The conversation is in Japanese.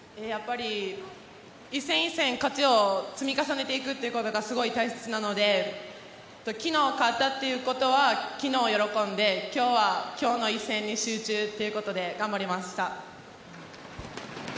一戦一戦勝ちを積み重ねていくことがすごい大切なので昨日勝ったということは昨日喜んで今日は今日の一戦に集中ということで頑張りました。